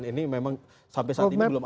ini memang sampai saat ini belum ada